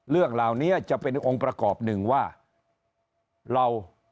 เรื่องเหล่านี้จะเป็นองค์ประกอบหนึ่งว่าเรา